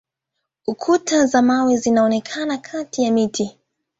Kuta za mawe zinaonekana kati ya miti.